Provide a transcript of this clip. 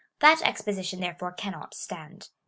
That expo sition, therefore, cannot stand.